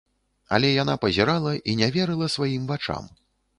Але яна пазірала і не верыла сваім вачам.